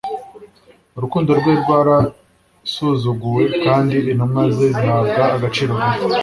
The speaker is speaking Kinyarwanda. urukundo rwe rwarasuzuguwe kandi intumwa ze zihabwa agaciro gake